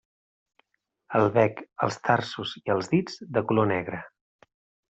El bec, els tarsos i els dits, de color negre.